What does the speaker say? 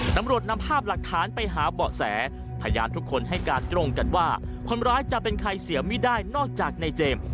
นำภาพหลักฐานไปหาเบาะแสพยานทุกคนให้การตรงกันว่าคนร้ายจะเป็นใครเสียไม่ได้นอกจากในเจมส์